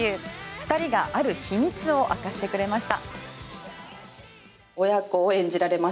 ２人がある秘密を明かしてくれました。